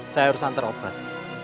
saya harus hantar ular